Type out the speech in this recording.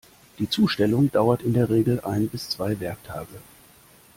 Die Zustellung dauert in der Regel ein bis zwei Werktage.